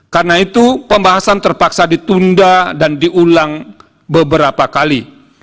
karena itu pembahasan terpaksa ditunda dan diulang beberapa kali